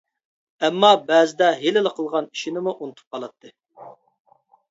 ئەمما بەزىدە ھېلىلا قىلغان ئىشىنىمۇ ئۇنتۇپ قالاتتى.